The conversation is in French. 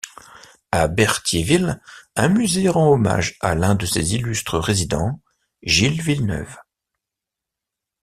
À Berthierville, un musée rend hommage à l'un de ses illustres résidents, Gilles Villeneuve.